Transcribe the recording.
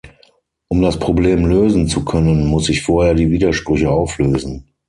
Um das Problem lösen zu können, muss ich vorher die Widersprüche auflösen.